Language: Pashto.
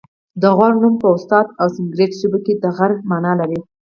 د غور نوم په اوستا او سنسګریت ژبو کې د غره مانا لري